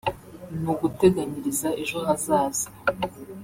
ni uguteganyiriza ejo hazaza